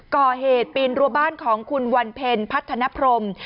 ปีนรัวบ้านของคุณวันเพ็ญพัฒนพรม